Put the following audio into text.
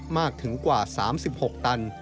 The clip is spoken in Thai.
มากถึงกว่า๓๖ตัน